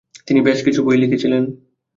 তিনি বেশ কিছু বই লিখেছিলেন।